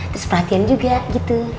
terus perhatian juga gitu